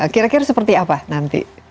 kira kira seperti apa nanti